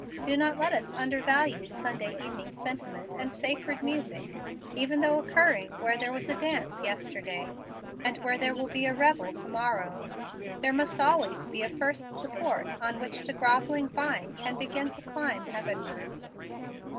Do not let us undervalue Sunday evening sentiment and sacred music, even though occurring where there was a dance yesterday, and where there will be a revel to morrow. There must always be a first support on which the grovelling vine can begin to climb heavenward.